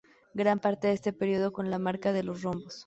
Gran parte de este período con la marca de los rombos.